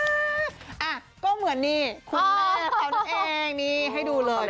อ่ะก็เหมือนนี่คุณแม่เขานั่นเองนี่ให้ดูเลย